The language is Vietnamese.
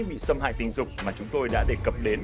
bị xâm hại tình dục mà chúng tôi đã đề cập đến